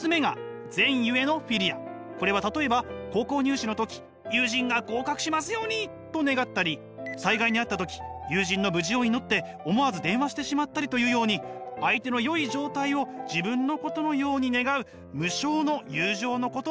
これは例えば高校入試の時友人が合格しますようにと願ったり災害に遭った時友人の無事を祈って思わず電話してしまったりというように相手の良い状態を自分のことのように願う無償の友情のことなのです。